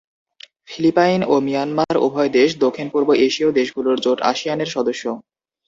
Philippine ও Myanmar উভয় দেশ দক্ষিণ পূর্ব এশীয় দেশগুলোর জোট আসিয়ানের সদস্য।